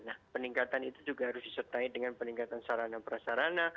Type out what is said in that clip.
nah peningkatan itu juga harus disertai dengan peningkatan sarana prasarana